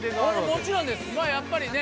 もちろんですやっぱりね